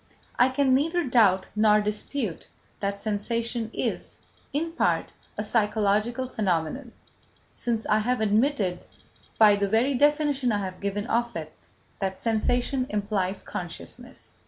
I can neither doubt nor dispute that sensation is, in part, a psychological phenomenon, since I have admitted, by the very definition I have given of it, that sensation implies consciousness.